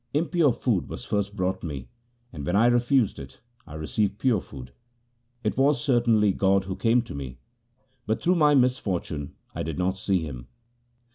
Impure food was first brought me, and when I refused it, I received pure food. It was certainly God who came to me, but through my misfortune I did not see him.'